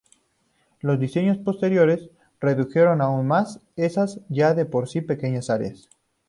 Los diseños posteriores redujeron aún más esas ya de por sí pequeñas áreas.